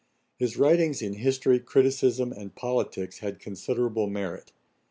His writings in history, criticism, and politicks, had considerable merit.